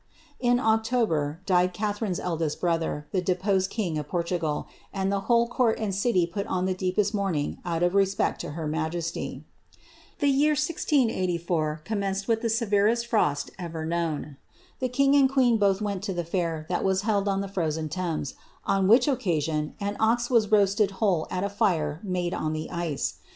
* 1q October, died Catharine's eldest brother, the deposed king of Por tugal, and the whole court and city put on the deepest mourning out of respect to her majesty. The year 1684 commenced with the severest frost ever known. The king and queen both went to see the fair that was held on the frozen Thames, on which occasion an ox was roasted whole at a fire made on the ice.